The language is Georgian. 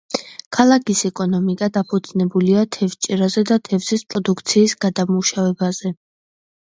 ქალაქის ეკონომიკა დაფუძნებულია თევზჭერაზე და თევზის პროდუქციის გადამუშავებაზე.